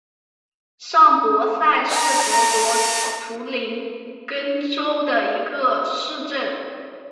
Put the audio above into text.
上伯萨是德国图林根州的一个市镇。